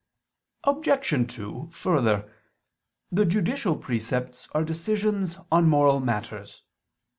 Obj. 2: Further, the judicial precepts are decisions on moral matters.